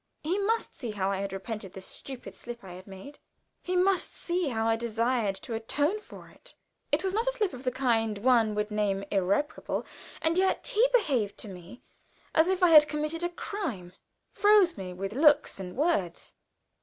He must see how I had repented the stupid slip I had made; he must see how I desired to atone for it. It was not a slip of the kind one would name irreparable, and yet he behaved to me as if I had committed a crime; froze me with looks and words.